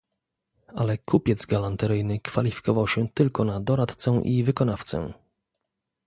"Ale kupiec galanteryjny kwalifikował się tylko na doradcę i wykonawcę."